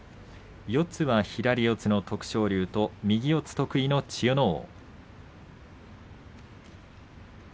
四つは左四つの徳勝龍と右四つ得意の千代ノ皇。